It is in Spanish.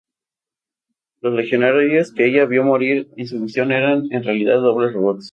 Los Legionarios que ella vio morir en su visión eran en realidad dobles robots.